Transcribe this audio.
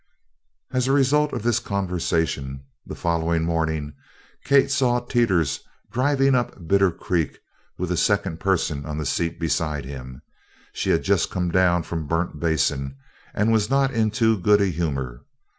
As a result of this conversation, the following morning Kate saw Teeters driving up Bitter Creek with a second person on the seat beside him. She had just come down from Burnt Basin and was not in too good a humor.